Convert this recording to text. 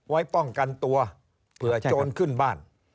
ไว้ป้องกันตัวเผื่อโจรขึ้นบ้าน